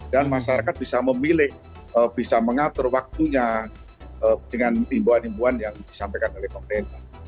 dan masyarakat bisa memilih bisa mengatur waktunya dengan himbauan himbauan yang disampaikan oleh pemerintah